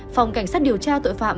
phòng cảnh sát điều tra tội phạm